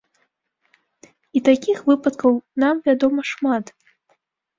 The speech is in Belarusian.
І такіх выпадкаў нам вядома шмат.